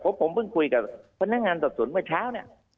โอ้ผมเพิ่งคุยกับพนักงานตรับสนเมื่อเช้านี้